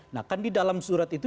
nah kan di dalam surat itu